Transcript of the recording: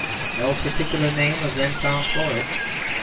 No particular name was then found for it.